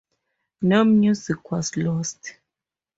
No music was lost.